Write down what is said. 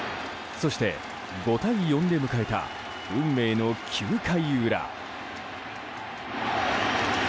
そして、５対４で迎えた運命の９回裏。